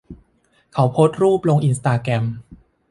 เขาโพสต์รูปลงอินสตาแกรม